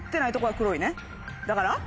だから。